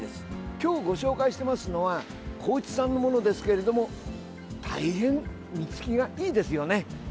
今日、ご紹介してますのは高知県産のものですけれども大変、実つきがいいですよね。